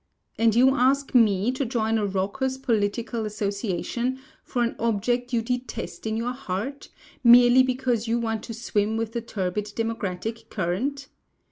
And you ask me to join a raucous political association for an object you detest in your heart, merely because you want to swim with the turbid democratic current!